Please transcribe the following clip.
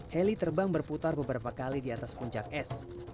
heli terbang berputar beberapa kali di atas puncak es